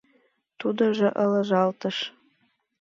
— тудыжо ылыжалтыш.